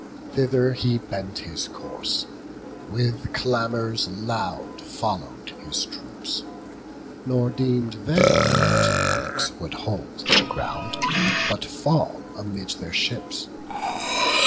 Thither he bent his course; with clamours loud Follow'd his troops; nor deem'd they that the Greeks Would hold their ground, but fall amid their ships.